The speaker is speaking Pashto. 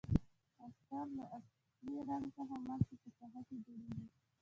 استر له اصلي رنګ څخه مخکې په ساحه کې جوړیږي.